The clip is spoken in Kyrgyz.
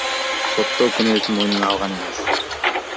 сотто күнөөсүн мойнуна алган эмес.